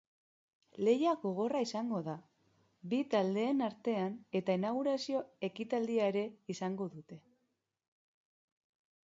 Lehia gogorra izango da bi taldeen artean eta inaugurazio ekitaldia ere izango dute!